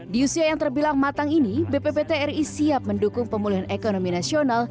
di usia yang terbilang matang ini bppt ri siap mendukung pemulihan ekonomi nasional